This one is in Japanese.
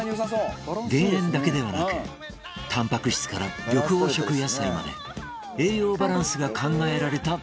減塩だけではなくたんぱく質から緑黄色野菜まで栄養バランスが考えられたメニュー